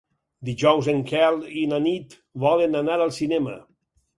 Dijous en Quel i na Nit volen anar al cinema.